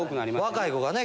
若い子がね。